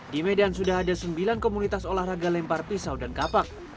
di medan sudah ada sembilan komunitas olahraga lempar pisau dan kapak